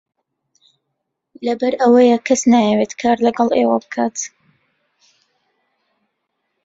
لەبەر ئەوەیە کەس نایەوێت کار لەگەڵ ئێوە بکات.